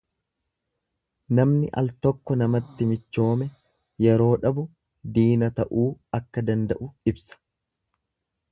Namni al tokko namatti michoome yeroo dhabu diina ta'uu akka danda'u ibsa.